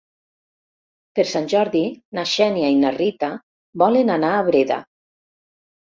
Per Sant Jordi na Xènia i na Rita volen anar a Breda.